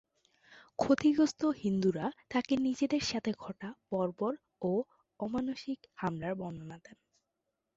ক্ষতিগ্রস্থ হিন্দুরা তাকে নিজেদের সাথে ঘটা বর্বর ও অমানুষিক হামলার বর্ণনা দেন।